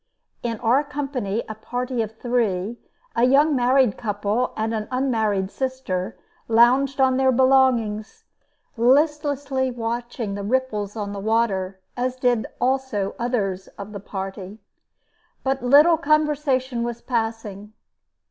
] In our company, a party of three, a young married couple and an unmarried sister, lounged on their belongings, listlessly watching the ripples on the water, as did also others of the party. But little conversation was passing.